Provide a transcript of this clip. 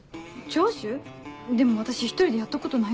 でも私１人でやったことないです。